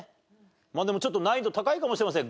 まあでもちょっと難易度高いかもしれません。